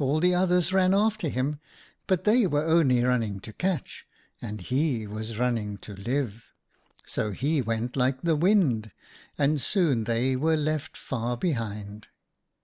All the others ran after him, but they were only running to catch and he was running to live, so he went like the wind, and soon they were left far behind.